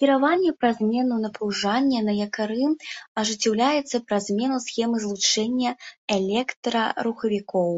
Кіраванне праз змену напружання на якары ажыццяўляецца праз змену схемы злучэння электрарухавікоў.